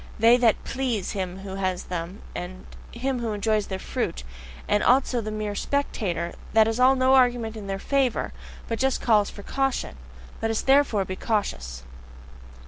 That they PLEASE him who has them, and him who enjoys their fruit, and also the mere spectator that is still no argument in their FAVOUR, but just calls for caution. Let us therefore be cautious!